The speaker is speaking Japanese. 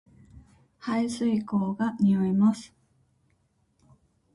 排水溝が臭います